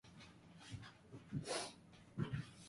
She confirmed her departure in "Loaded Magazine".